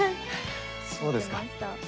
そうですか。